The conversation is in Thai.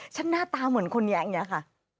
ฉันน่าตาเหมือนคนแยงเนี่ยคะ